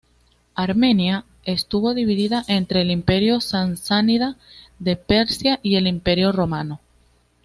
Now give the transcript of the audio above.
Armenia estuvo dividida entre el Imperio sasánida de Persia y el Imperio romano.